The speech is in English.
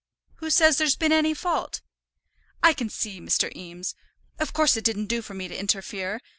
"Who says there's been any fault?" "I can see, Mr. Eames. Of course it didn't do for me to interfere.